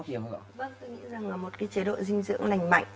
tôi nghĩ rằng là một cái chế độ dinh dưỡng lành mạnh